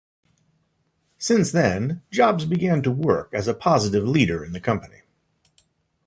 Since then, Jobs began to work as a positive leader in the company.